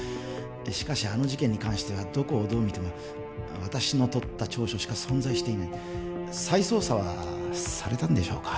しかしあの事件に関してはどこをどう見ても私の取った調書しか存在していない再捜査はされたんでしょうか？